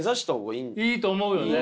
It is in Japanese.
いいと思うよね。